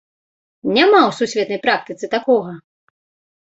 Няма ў сусветнай практыцы такога!